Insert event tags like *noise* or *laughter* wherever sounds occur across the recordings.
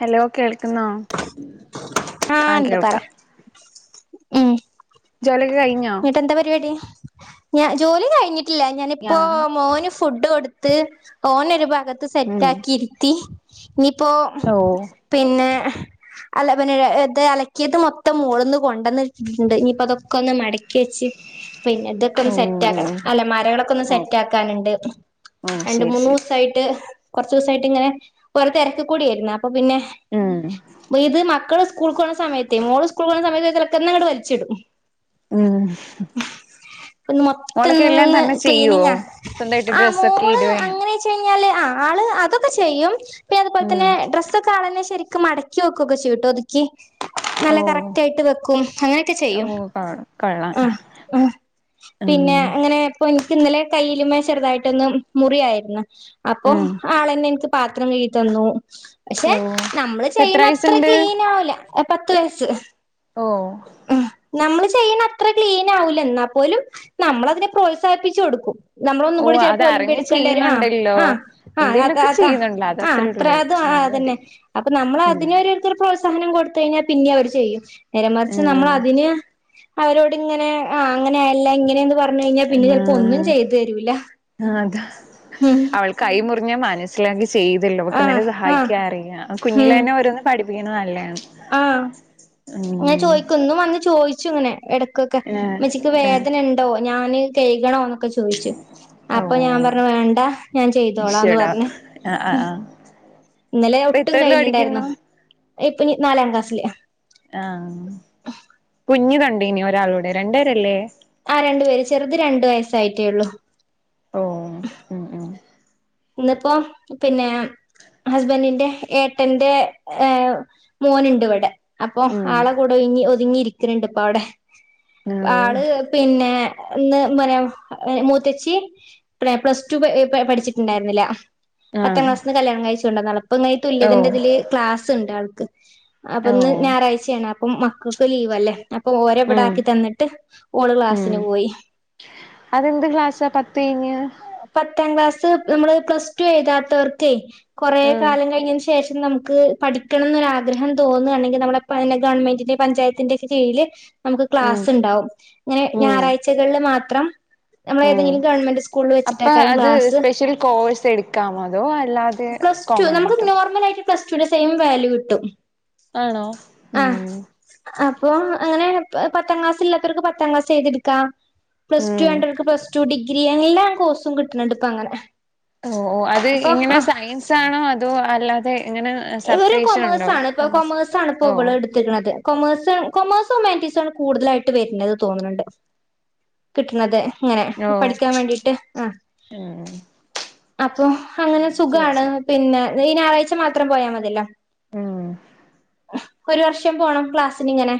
Hello കേൾക്കുന്നോ ആഹ് ഇണ്ട് പറ ഉം ജോലിക്കെ കൈ എന്നട്ട് എന്താ പരിപാടി ഞാൻ ജോലി കഴിഞ്ഞിട്ടില്ല ഞാ ഞാനിപ്പോ മോന ഫുഡ് കൊടുത്ത് ഓനൊരു ഭാഗത്ത് സെറ്റാക്കിയിരുത്തി ഇനിയിപ്പോ ഓഹ് പിന്നെ അല പിന്നെത് അലക്കിയത് മൊത്തം മോളന്ന് കൊണ്ടന്നിട്ടിട്ടുണ്ട് ഇനിയിപ്പ അതൊക്കെ ഒന്ന് മട ക്കിവച്ച് പിന്നെ ഇതൊക്കെ ഓ ഒന്ന് സെറ്റ് ഓ ആക്കണം അലമാരകളൊക്കൊന്ന് ഓക്കെ സെറ്റാക്കാനുണ്ട് ഓ രണ്ട് ശരി മൂന്ന് ശരി ദിവസായിട്ട് കുറച്ചവസായിട്ട് ഇങ്ങനെ ഓര തിരക്ക്ക്കൂടായിരുന്ന് അപ്പൊ പിന്നെ ഉം ഇത് മക്കള് സ് സ്കൂൾക്ക് പോണ സമയത്തെ മോള് സ്കൂള് പോണ സമയത്ത് തൊക്കെ അങ്ങട് വലിച്ചിടും ഉം പി മോളൊക്കെ എല്ലാം മൊത്തംന്ന് തന്നെ ചെയ്യുവോ ക്ലീനിങ്ങ സ്വന്തമായിട്ട് ആ ഡ്രസ്സൊക്കെ മോള് ഇടുകയും അങ്ങനെ പറഞ്ഞല് ആള് അതൊക്കെ ചെയ്യും പിന്നെ അത്പോലെ ഉം തന്നെ ഡ്രസ്സ്‌ കളഞ്ഞ് ശരിക്ക് മടക്കി വക്കുവൊക്കെ ചെയ്യുട്ടോ ഒതുക്കി നല്ല ഓ കറക്റ്റ് ആയിട്ട് വെക്കും അങ്ങനെയൊക്കെ ചെയ്യും. ആഹ് കഴ. ആഹ് ആഹ് പിന്നെ അങ്ങനെ. അപ്പൊ എനിക്ക് ഇന്നലെ കയ്യില്മേചെറുതായിട്ടൊന്ന് മുറിയായിരുന്നു അപ്പൊ. ഉം ആളന്നെ എനിക്ക് പാത്രം കഴികി തന്നു പക്ഷെ ഓ നമ്മള് ഇപ്പ എത്ര ചെയ്യണ അത്ര വയസുണ്ട് ക്ലീൻ ആവൂല ആഹ് പത്ത് വയസ്സ്. ഓഹ്. നമ്മള് ചെയ്യണ അത്ര ക്ലീൻ ആഹ്‌ നമ്മൾ ചെയ്യുന്ന അത്ര ക്ലിനാവൂല എന്നാൽ പോലും നമ്മളതിനെ പ്രോത്സാഹിപ്പിച്ചു കൊടുക്കും. നമ്മളൊന്നും ഓ കൂടി ചെലപ്പോ ഒലിമ്പി അതറിഞ്ഞ് എടുക്കേണ്ടി വരും ആഹ് ചെയ്യുന്നുണ്ടല്ലോ ആഹ് ആഹ് എന്തേലുമൊക്കെ അ ചെയ്യുന്നുണ്ടല്ലോ അത് ആഹ് അത്രേ അത്ര ഉള്ളൂ അത് അതന്നെ. മതി അപ്പൊ നമ്മൾ ഉം അതിനരു പ്രോത്സാഹനം കൊടുത്തഴിഞ്ഞാൽ പിന്നേം അവർ ചെയ്യും നേരമറിച്ച് നമ്മള ആഹ് അതിന അവരോട് ഇങ്ങനെ ആ അങ്ങനെയല്ല ഇങ്ങനെയന്ന് പറഞ് പറഞ്ഞഴിഞ്ഞാ പിന്നെ ചെലപ്പോ ഒന്നും ആഹ് ചെയ്തരൂല ആഹ് അതാ ഉഹ്. അവൾക്ക് കൈ മുറിഞ്ഞ മനസ്സിലാക്കി ചെയ്തല്ലോ ആ അവക്ക്ന്നെന്നെ ആ സഹായിക്കാൻ അറിയാം. കുഞ്ഞിലേന്നെ ഓരോന്ന്. പഠിപ്പിക്കുന്നത് നല്ലാണ് ആഹ് ങ്ങനെ ചോയ്ക്കും ന്നും വന്ന് ചോയിച്ച് ഇങ്ങനെ എട. കൊക്കെ ഏഹ് മ്മച്ചിക്ക് ഏഹ് വേദന ഉണ്ടോ ഞാന് കഴ്കണോ ചോയിച്ചു അപ്പൊ ഞാൻ ഓഹ് പറഞ്ഞു വേണ്ട ഞാൻ ചെയ്തോളാന്ന് ഈശ്വടാ പറഞ്. ആഹ് ആഹ് ആഹ് ഇന്നലെ ഇപ്പൊ ഒട്ടും എത്രേല് കയ്യിലുണ്ടായിരുന്നു. പഠിക്കുന്നു ഇപ്പൊ നാലാം ക്ലാസ്സില ആഹ് കുഞ്ഞ് കണ്ടീനി ഒരാളുടെ രണ്ടേരല്ലേ. ആ രണ്ടു പേര് ചെറുത് രണ്ടു വയസ്സായിട്ടേള്ളു. ഓഹ് ഉം ഉം ഇന്നിപ്പോ പിന്നെ. ഹസ്ബന്റിന്റെ ഏട്ടന്റെ ഏഹ് മോന്ണ്ട് ഇവിടെ. അപ്പൊ ഉം ആളെ കൂടെ ഒര്ങ്ങി ഒതുങ്ങി ഇരിക്കുന്നുണ്ട് ഇപ്പൊ അവിടെ ഓഹ് ആള് പിന്നെ. ന്ന് എ മ മൂത്തച്ചി പ്ല പ്ലസ് ടു പഠിച്ചിട്ടുണ്ടായിരുന്നില്ല. പത്താം ആഹ് ക്ലാസ്സിൽന്ന് കല്യാണം കഴ്ച്കൊണ്ടന്നതാ ഇപ്പ ഇങ്ങന തുല്യതിന്റെ ഓഹ് ഇതില് ക്ലാസ് ഇണ്ട് ആൾക്ക്. അപ്പൊന്ന് ഓഹ് ഞായറാഴ്ചയാണ് അപ്പം മക്കക്ക് ലീവ് അല്ലേ. അപ്പൊ ഓരോവിട ഉം ആക്കി തന്നിട്ട് ഓള് ക്ലാസ്സിന് പോയി. എന്ത് ക്ളാസ് പത്തഴിഞ്ഞ്. പത്താം ക്ലാസ്സ് നമ്മള് പ്ലസ് ടു എഴുതാത്തോർക്ക് കൊറെ ഉം കാലം കഴിഞ്ഞ്. ശേഷം നമുക്ക് പഠിക്കണം എന്നൊരാഗ്രഹം തോന്നണെങ്കി നമ്മള പിന്നെ ഗവൺമെന്റിന്റെ പഞ്ചായത്തിന്റെ ഒക്കെ കീഴില്. നമുക്ക് ഉം ക്ലാസ് ഉണ്ടാവും ങ്ങനെ ഉം ഞായറാഴ്ചകളിൽ മാത്രം. ഉം നമ്മളഏതെങ്കിലും ഗവൺമെറ്കൂളിൽ അപ്പൊ വെച്ചിട്ടാക്കാരം അത് ക്ലാസ്. സ്പെഷ്യൽ കോഴ്സ് എടുക്കാമോ അതോ അല്ലാതെ കോമൺ ആയിട്ടോ? പ്ലസ്ടു ടെ സെയിം വാല്യൂ കിട്ടും. ആണോ ഉം ആഹ് അപ്പൊ അങ്ങനെയാണ് പത്താം ക്ലാസ് ല്ലാത്തോർക്ക് പത്താം ക്ലാസ് എഴുതിടുക്കാം. പ്ലസ് ഉം ടുവേണ്ടവർക്ക് പ്ലസ് ടു ഡിഗ്രി എല്ലാം കോഴ്സും കിട്ടുന്നുണ്ട് പ്പ അങ്ങനെ. ഓഹ് ഓഹ് അ ഇത് അപ്പൊ ഇങ്ങനെ ആഹ് സയൻസ് ആണോ അതോ അല്ലാതെ ഇങ്ങനെ സെപറേഷൻ ഉണ്ടോ കൊമേഴ്സ്. തണുപ്പോ ഓ *unintelligible* ട്ത്ത്ക്ക്ണത്. കൊമേഴ്സ് കൊമേഴ്സൊ ഹുമാറ്റിസാണ് കൂടുതലായിട്ട് വര്ണത് തോന്ന്ണ് ണ്ട്. കിട്ട്ണത് ഇങ്ങനെ ഓ പഠിക്കാൻ വേണ്ടിട്ട് ആഹ്. ഉം അപ്പൊ അങ്ങനെ ശരി സുഖാണ് ശരി പിന്നെ ഈ ഞായറാഴ്ച മാത്രം പോയാ മതില്ലോ. ആഹ്. പ്പം ഒരു വർഷം പോണം ക്ലാസിന് ഇങ്ങനെ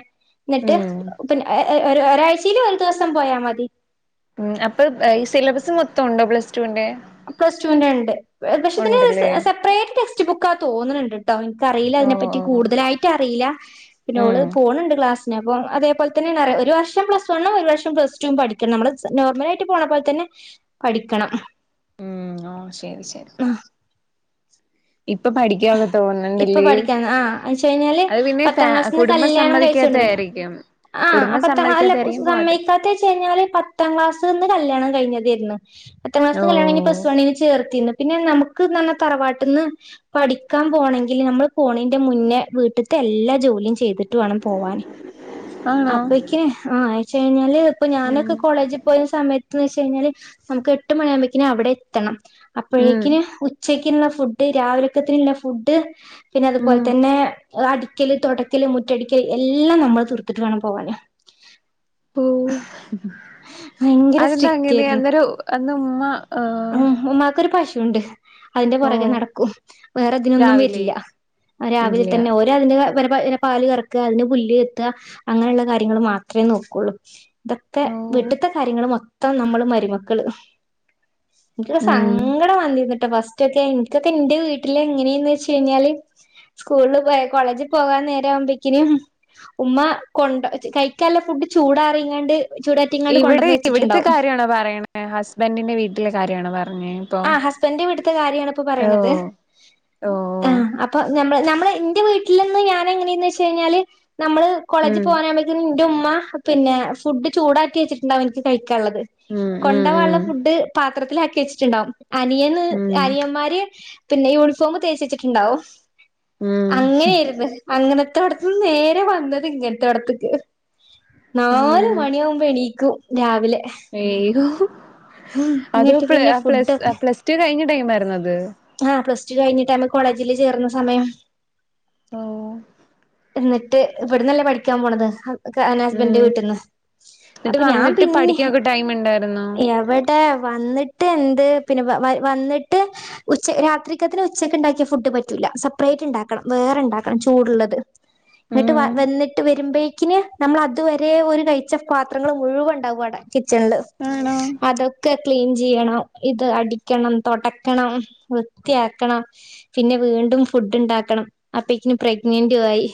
എന്നിട്ട് ഉം പിന്നെ ഏ ഒരാഴ്ചീൽ ഒരു ദിവസം പോയാ മതി ഉം അപ്പൊ ഈ സിലബസ് മൊത്തം ഉണ്ടോ പ്ലസ് റ്റു ന്റെ. പ്ലസ് റ്റുന്റെ ഉണ്ട് പക്ഷെ ഇതിന് സെപ്പറേറ്റ് ടെക്സ്റ്റ് ബുക്കാ തോന്ന്ണ് ണ്ട്ട്ടോ ഇന്ക്കറിയില്ല ഓ അയ്നെപ്പ റ്റി ഓ കൂടുതലായിട്ട് അറീല്ല പിന്നെ ഓള് ഉം പോണ് ണ്ട് ക്ലാസ് ന് അപ്പോ അതേപോൽത്തന്നേണ് അറിയാ ഒരു വർഷം പ്ലസ് വണ്ണും ഒരു വർഷം പ്ലസ് ടും പഠിക്കണം നമ്മൾ നോർമലായിട്ട് പോണ പോൽതന്നെ പഠിക്കണം ഓഹ് ശരി ശരി അഹ് ഇപ്പൊ പഠിക്കാനൊന്നും ഇപ്പൊ തോന്ന്ണില്ലേ പഠിക്കാ ആ എന്ന് വെച്ച് കഴിഞ്ഞാല് അത് പിന്നെ ഫാ പത്താം ക്ലാസ്സിന്ന് കുടുംബം കല്യാണം കഴിച്ചു കൊണ്ടന്നാ സമ്മതിക്കാത്തായിരി ക്ക്യും ആഹ് അപ്പൊ തോ അല്ല സമ്മേയ്ക്കാത്ത്ച്ചഴ്ഞ്ഞാല് പ പത്താം ക്ലാസ്ന്ന് കല്യാണം കഴിഞ്ഞതേര്ന്ന് പത്താം ക്ലാസ്സ്‌ന്ന് കല്യണം കഴിഞ്ഞ് പ്ലസ് ഓ പ്ലസ് വൺന് ചേർത്തിര്ന്ന് പിന്നെ നമുക്ക്ന്ന്റഞ്ഞ തറവാട്ട്ന്ന് പഠിക്കാൻ പോണെങ്കില് നമ്മള് പോണിന്റെ മുന്നേ വീട്ട്ത്തെ എല്ലാ ജോലിം ചെയ്ത് ട്ട് വാണം പോവാന് ആണോ അപ്പെയ്ക്ക് ആഹ് അയച്ചഴിഞ്ഞാല് ഇപ്പൊ ഉം ഞാനൊക്കെ കോളേജ് പോയിന്ന സമയത്ത്ന്ന് വെച്ച് കഴിഞ്ഞാല് നമുക് എട്ട് മണിയാകുമ്പേഴ്ക്ക്ന് അവിടെ എത്തണം ഉം അപ്പോഴേക്കിന് ഉച്ചയ്ക്ക്ള്ള ഫുഡ് രാവിലക്കത്തിന്ള്ള ഫുഡ് പിന്നെ അതുപോലെ ഉം തന്നെ അടിക്കല്, തൊടക്കല്, മുറ്റടിക്കല് എല്ലാം നമ്മള് തീർത്തിട്ട് വേണം പോവാന് പ്പോ ഭയങ്കര അതെന്താ സ്ട്രിക്റ്റ് അങ്ങനെ അന്നേരം അന്ന് ഉമ്മ ഏഹ് ഉം ഉമ്മാക്കൊരു പശുണ്ട് അയിന്റെ ഓ പൊറകെ നടക്കും വേറെതിനൊന്നും രാവിലെ വരില്ല രാവിലെ ഇല്ല തന്നെ ഓ അതിന്റെതാ പിന്നെ പാല് കറക്ക അതിന് പുല് ചെത്ത അങ്ങനെയുള്ള കാര്യങ്ങൾ മാത്രേ നോക്കുള്ളൂ ഇതൊക്കെ ഓ വീട്ട്ത്തെ കാര്യങ്ങൾ മൊത്തം നമ്മള് മരുമക്കള് ഇൻക്കൊക്കെ ഉം സങ്കടം വന്നിര്ന്ന്ട്ടോ ഫസ്റ്റ്ക്കെ ഇൻക്കൊക്കെ ഇന്റെ വീട്ടില് എങ്ങനെയെന്ന് വെച്ച് കഴിഞ്ഞാല് സ്കൂൾള് പോ കോളേജ് പോകാൻ നേര ആവുമ്പേയ്ക്ക്ന് ഉമ്മ കൊണ്ടാ കഴിക്കാല്ലെ ഫുഡ് ചൂടാറിങ്ങാണ്ട് ചൂടാറ്റിങ്ങാണ്ട് കൊണ്ടന്ന് വെച്ചിട്ട്ണ്ടാവും *unintelligible* ണ് പറീണ് എഹ് ഹസ്ബൻഡിൻ്റെ വീട്ടിലെ കാര്യണോ പറഞ്ഞേ ഇപ്പൊ ആഹ് ഹസ്ബൻന്റെ വീട്ട്ത്തെ കാര്യണിപ്പൊ പറീണത് ഓ ഓ ആഹ് അ പ്പൊ ഞമ്മ്ള് ഞമ്മള് ഇന്റെ വീട്ടിൽ നിന്ന് ഞാൻ എങ്ങനേയ്ന്ന് വെച്ച് കഴിഞ്ഞാല് ഞമ്മള് കോളേജ് ഉം പോകാനാവുമ്പേ ത്തിന് ഇന്റെ ഉമ്മ പിന്നെ ഫുഡ് ചൂടാക്കി വെച്ചിട്ടുണ്ടാവും ഇനിക്ക് കഴിക്കാള്ളത് ഉം ഉം കൊണ്ടവാള്ള ഉം ഫുഡ് പാത്രത്തിലാക്കി വെച്ച്ട്ട്ണ്ടാവും അനിയന് ഉം അനിയന്മാര് പിന്നെ യൂണിഫോം തേച്ച് വെച്ചിട്ടുണ്ടാവും ഉം അങ്ങനേര്ന്ന് അങ്ങനത്തോട്ത്ത്ന്ന് നേരെ വന്നത് ഇങ്ങനത്തോട്ത്ത് ക്ക് നാല് ഓ മണിയാവുമ്പോ എണീക്കും രാവിലെ ഏയ് അത് ഇങ്ങട്ട് പ്ല പിന്നെ അഹ് പ്ലസ് ഫുഡൊക്കെ അഹ് പ്ലസ് ടു കഴിഞ്ഞ ടൈംമായിരുന്നോ അത് ആഹ് പ്ലസ് ടു കഴിഞ്ഞട്ട് അന്ന് കോളേജില് ചേർന്ന സമയം ഓഹ് ഇന്ന്ട്ട് ഇവട്ന്നല്ലേ പഠിക്കാൻ പോണത് ഒക്കെ അങ്ങനെ ഹസ്ബൻഡിന്റെ ഉം വീട്ട്ന്ന് അപ്പൊ ഞാൻ പിന്നിം ടൈമ് ഇണ്ടായിരുന്നോ ട്ടാ വന്നിട്ട് എന്ത് പിന്നെ വ വ വന്നിട്ട് ഉച്ച രാത്രിക്കത്തിന് ഉച്ചക്ക് ഇണ്ടാക്കിയ ഫുഡ് പറ്റൂല്ല സപ്പറേറ്റ് ഇണ്ടാക്കണം വേറെണ്ടാക്കണം ചൂടുള്ളത് ഇങ്ങട്ട് ഉം വ വന്നിട്ട് വരുമ്പേഴ്ക്കിന് നമ്മള് അതുവരെ ഒര് കഴിച്ച പാത്രങ്ങള് മുഴുവൻ ഇണ്ടാവും അടെ കിച്ചൺല് ആണോ അതൊക്കെ ക്ലീൻ ചെയ്യണം ഇത് അടിക്കണം തൊടക്കണം വൃത്തിയാക്കണം പിന്നെ വീണ്ടും ഫുഡ് ഇണ്ടാക്കണം അപ്പെക്കിന് പ്രഗ്നന്റെയും ആയി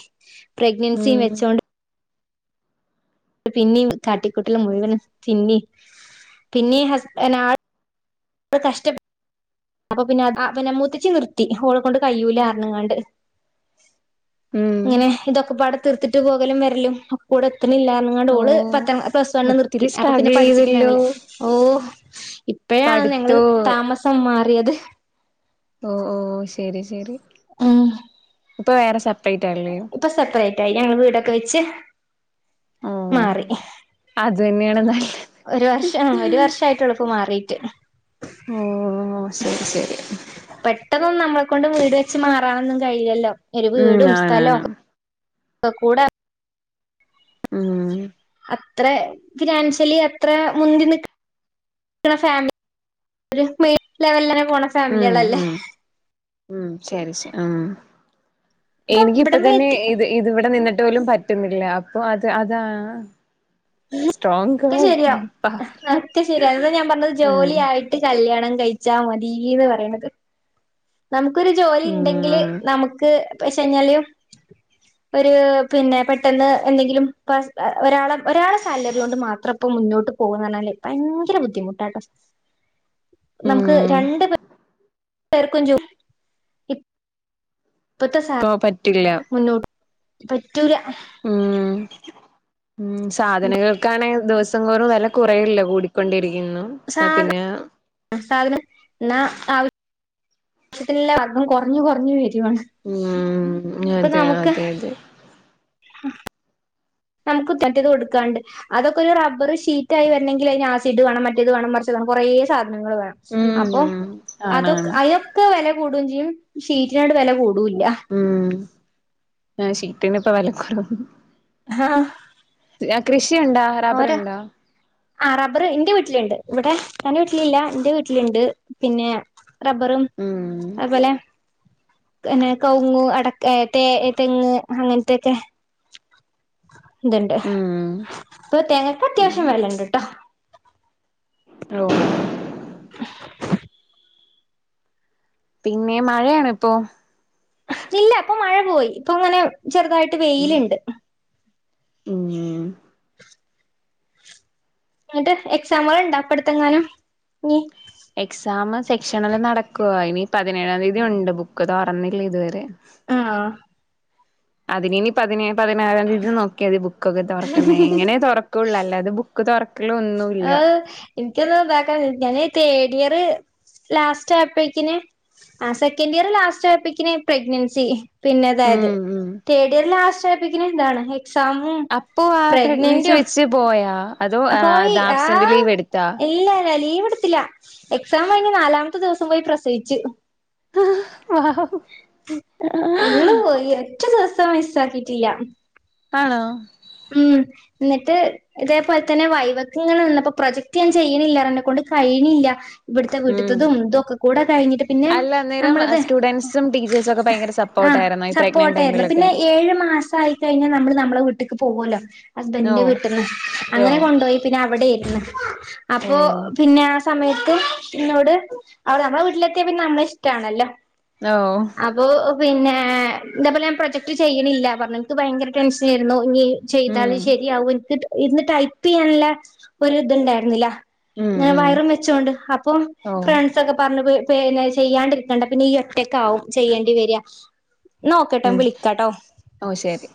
പ്രഗ്നൻസിയും ഉം വെച്ചോണ്ട്- പിന്നീ കാട്ടിക്കൂട്ടൽ മുഴുവനും പിന്നേം പിന്നേം ഹസ് ആൾ- നമ്മള് കഷ്ടപ്പെ- അപ്പൊ പിന്നെ അ മൂത്തച്ചി നിർത്തി ഓളെ കൊണ്ട് കയ്യൂലാ പറങ്ങാണ്ട് ഉം ഇങ്ങനെ ഇതൊക്കെ പാടെ തീർത്തിട്ട് പോകലും വരലും ഒക്കൂകൂടെ എത്തണില്ലാന്ന്‌ എങ്ങാണ്ട് ഓ ഓള് പത്താംക്ലാസ് പ്ലസ്‌ വൺ നിർത്തി ഒത്തിരി അപ്പ പിന്നെ സ്ട്രഗിൾ ചെയ്തല്ലോ പഠിച്ചിട്ടുണ്ടാവില്ല ഓഹ് ഇപ്പഴാണ് ഞങ്ങള് പഠിത്തോ താമസം മാറിയത് ഓഹ് ഓഹ് ശരി ശരി ഉം ഇപ്പൊ വേറെ സപ്രെറ്റായില്ലേ ഇപ്പൊ സപ്രെറ്റായി ഞങ്ങള് വീടൊക്കെ വെച്ച്- ഓ മാറി അത് തന്നെയാണ് നല്ലത് ഒരുഒരു വർഷം ഒരു വർഷമായിട്ട് എള്ളുപ്പം മാറീട്ട് ഓഹ് ശരി ശരി പെട്ടെന്നൊന്നും നമ്മളെ കൊണ്ട് വീട് വെച്ച് മാറാനൊന്നും കഴിയില്ലല്ലൊ ഒരു ഉം വീടും ആണാണ് സ്ഥലൊക്കെ- ഓഹ് കൂടെ- ആഹ് അത്ര ഫിനാൻഷ്യലി അത്ര മുന്തി നിക്ക- ഒരു പക്ഷെ ഫാമിലി ഒരു മീഡിയം ലെവലന്നെ പോണ ഉം ഫാമിലികളല്ലേ ഉം ഉം ശരി ശരി എനിക്ക് ഇപ്പൊ ഇവിടം വരെ തന്നെ എത്തി ഇത്- ഇതിവിടെ നിന്നിട്ട് പോലും പറ്റുന്നില്ല അപ്പൊ അത് അതാ- സ്ട്രോങ് ഒക്കെ ഗേൾ ശരിയാ പവർ ഒക്കെ ശരിയാ അതാ ഞാൻ പറഞ്ഞത് ആഹ് ജോലിയായിട്ട്- ട്ട് കല്ല്യാണം കഴിച്ചാ മതീന്ന് പറയ്ണത് നമുക്കൊരു ജോലിയിണ്ടങ്കില് ഉം നമുക്ക്- പൈസ ഇല്ലാഞ്ഞും ഒരു പിന്നെ പെട്ടെന്ന് എന്തെങ്കിലും ഒരാളെ- ഒരാളെ സാലറി കൊണ്ട് മാത്രം ഇപ്പം മുന്നോട്ട് പോവാന്ന് പറഞ്ഞാല് ഭയങ്കര ബുദ്ധിമുട്ടാട്ടോ നമുക്ക് ഉം രണ്ട് പേർക്കും ജോലി- ഇപ്പഴത്തെ സാലറി- ഓഹ് പറ്റില്ല മുന്നോട്ട് പറ്റൂല ഉം ഉം സാധനങ്ങൾക്കാണെ ദിവസ- ന്തോറും വില കൊറയല്ലെ കൂടി കൊണ്ടിരിക്കുന്നു സാധ സാധനം എന്ന ആവശ്യ *unintelligible* എല്ലാതും കൊറഞ്ഞ് കൊറഞ്ഞ് വരുവാണ് ഉം ഇപ്പൊ അതെ നമുക്ക് അതെ അതെ നമുക്ക് മറ്റേത് കൊടുക്കാണ്ട് അതൊക്കെ ഒരു റബ്ബറ് ഷീറ്റായി വെരണങ്കിൽ ആ ഷിറ്റ് വേണം മറ്റേത് വേണം മറിച്ചേത് വേണം കൊറേ സാധനങ്ങൾ വേണം അപ്പൊ ഉം അതൊ ആണാണ് അതൊക്കെ വെല കൂടുംചെയ്യും ഷീറ്റിനാണ്ട് വെല കൂടുവോയില്ല ഉം ആ ചിക്കനു ഇപ്പ വിലക്കുറവ് ആഹ് കൃഷിയുണ്ടോ റബ്ബറുണ്ടോ ആ റബ്ബറ് എന്റെ വീട്ടിലിണ്ട് ഇവിടെ ഇക്കാന്റെ വീട്ടിലില്ല എന്റെ വീട്ടിലുണ്ട് പിന്നെ- റബ്ബറും ഉം അതു പോലെ- പിന്നെ കവുങ് അടക്ക തെങ്ങ് അങ്ങനത്തെയൊക്കെ ഇത്ണ്ട് ഉം പ്പതേങ്ങക്ക് അത്യാശം വെലണ്ട് ട്ടൊ ണ്ടോ പിന്നെ മഴയാണ് പ്പൊ ഇല്ല പ്പമഴ പോയി ഇപ്പങ്ങനെ ചെറ്തായിട്ട് ഉം വെയില്ണ്ട് ഉം ന്നട്ട് എക്സാമൾണ്ടാ പട്ത്തെങ്ങാനും ഞി എക്സാം സെക്ക്ഷനെല്ലാം നടക്കൊ ഇനിപതിനേഴാം തിയ്യതിണ്ട് ബുക്ക് തൊറന്നില്ല ഇത് വരെ ആഹ് അതിനിപതിനേ പതിനാറാ തീയതി നോ ക്യാതി ബുക്കൊക്കെ തൊറക്ക്ന്നേ ഇങ്ങനെ തൊറ കൊള്ളു അല്ലാതെ ബു ക്ക് തൊറക്കലു ആഹ് എൻക്യത് വേഗൺ ഞാന് തേഡിയറ് ലാസ്റ്റായപ്പക്കിന് ആഹ് സെക്കന്റിയർ ലാസ്റ്റായപക്ക്ന് പ്രഗ്നൻസി പിന്നെതെയത് ഉം ഉം തേഡിയർ ലാസ്റ്റായപ്പിക് നും താണ് എക്സാമും അപ്പോ ആഹ് പ്രഗ്നൻസി പ്രഗ്നന്റും വെച്ച് പോയാ അതോ പോയി അത് ആബ്സെന്റ് ആഹ് ലീവ് എടുത്താ ഇല്ലേല ലീവ്ട്ത്തില്ല എക്സാം കഴിഞ് നാലാംത്തെ ദ്‌വസം പോയി പ്രസവിച്ചു ഉള്ളു പോയി റ്റദിവസം മിസ്സാക്കിറ്റില്ല ആണോ ഉം ന്നിട്ട് ഇതേപോലെ തന്നെ വൈവക്ക്ങ്ങനെ നിന്നപ്പോ പ്രൊജക്ട് ഞാചെയ്യ്ണില്ല റന്നെ കൊണ്ട് കയ്ണില്ല ഇവ്ട്ത്തെ ഉം വീട്ട്ത്തതും തൊക്കെ കൂടെ കഴിഞ്ഞിട്ട് പിന്നെ അല്ല അന്നേരം നമ്മളത് സ്റ്റുഡൻസും ടീച്ചേഴ്സും ഒക്കെ ഭയങ്കര ആഹ് സപ്പോർട്ടായിരുന്നോ ഈ പ്രഗ്നന്റ് സപ്പോർട്ടേര്ന്നു പിന്നെ ടൈമിലൊക്കെ ഏഴ് മാസായി കയ്ഞ്നമ്മള് നമ്മളെ വീട്ട്ക്ക് പോവൊല്ലോ ഹസ്ബൻഡിന്റെ ഓ വീട്ട്ന്ന് അങ്ങനെ യോ കൊണ്ടോയി പിന്നെ അവടേർന്ന് ഓ അപ്പൊ പിന്നെ ആഹ് സമയത്തും ഇന്നോട് അവടെ നമ്മളെ വീട്ട്ലെത്തിയാ പിന്നെ നമ്മള ഷ്ടാണല്ലോ ഓ അപ്പൊ പിന്നെ തെപോലെം പ്രൊജക്ട് ചെയ്യ്ണില്ല പറഞ്ഞു ൻക്ക് ഭയങ്കര ടെൻഷനേര്ന്നു ഞ്ഞി ചെയ്താല് ഉം ശരിയാവോ ൻക്ക്ത് ഇര്ന്ന് ടൈപ്പിയ്യാൻള്ളെ ഒര് ത്ണ്ടായിര്ന്നില ഉം ങ്ങനെ ഉം വയറും വെച്ചോണ്ട് അപ്പോം ഓ ഫ്രൺ സൊക്കെ പർനു വ് പേ ന്ന ചെയ്യാണ്ടി ര്ക്കണ്ട പിന്നീ യൊറ്റക്കാവും ചെയ്യേണ്ടിവര്യ ന്നാ ഓകെട്ടൊ ഉം വിളിക്കാട്ടോ ഓ ശെരി